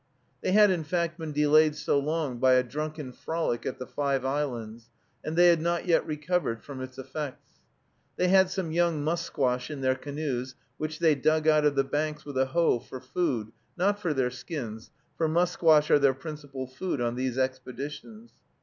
They had in fact been delayed so long by a drunken frolic at the Five Islands, and they had not yet recovered from its effects. They had some young musquash in their canoes, which they dug out of the banks with a hoe, for food, not for their skins, for musquash are their principal food on these expeditions.